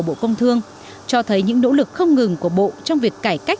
bộ công thương cho thấy những nỗ lực không ngừng của bộ trong việc cải cách